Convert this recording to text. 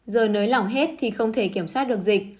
giờ nới lỏng hết thì không thể kiểm soát được dịch